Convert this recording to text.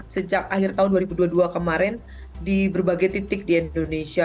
sejak akhir tahun dua ribu dua puluh dua kemarin di berbagai titik di indonesia